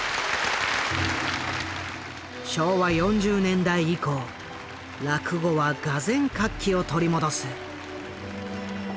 昭和４０年代以降落語は俄然活気を取り戻す。